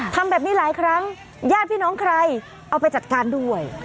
ทำแบบนี้หลายครั้งญาติพี่น้องใครเอาไปจัดการด้วย